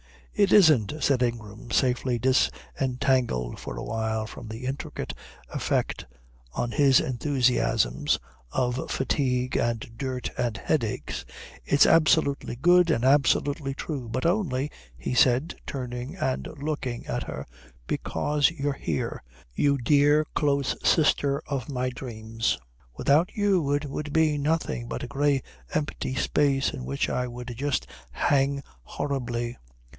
"It isn't," said Ingrain, safely disentangled for a while from the intricate effect on his enthusiasms of fatigue and dirt and headaches, "it's absolutely good and absolutely true. But only," he said, turning and looking at her, "because you're here, you dear close sister of my dreams. Without you it would be nothing but grey empty space in which I would just hang horribly."